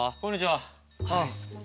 はい。